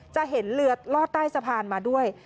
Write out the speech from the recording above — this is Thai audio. จะเห็นเรือลอดใต้สะพานมาด้วย